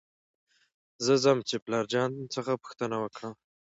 زه ځم چې پلار جان څخه پوښتنه وکړم .